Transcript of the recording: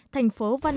thành phố văn minh